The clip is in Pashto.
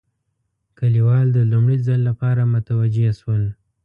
کلیوال د لومړي ځل لپاره متوجه شول.